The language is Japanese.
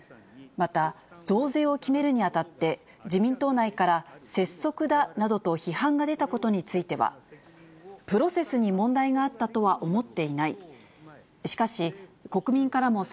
また、増税を決めるにあたって自民党内から拙速だなどと批判が出たことについては、プロセスに問題があったとは思っていない。